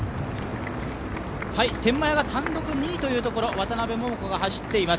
天満屋が単独２位ということで、渡邉桃子が走っています。